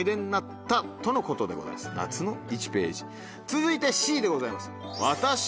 続いてＣでございます。